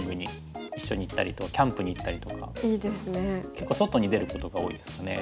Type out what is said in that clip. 結構外に出ることが多いですね。